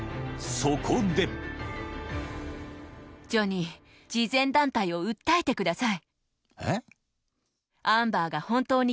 そこでジョニー慈善団体を訴えてください